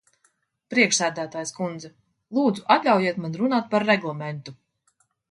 Priekšsēdētājas kundze, lūdzu, atļaujiet man runāt par Reglamentu.